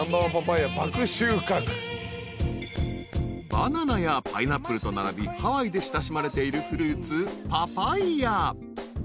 ［バナナやパイナップルと並びハワイで親しまれているフルーツパパイア］